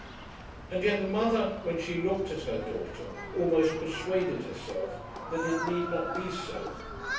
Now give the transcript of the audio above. And yet the mother when she looked at her daughter almost persuaded herself that it need not be so.